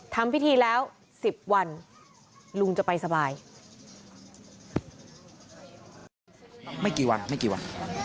ทำพิธีแล้วสิบวันลุงจะไปสบาย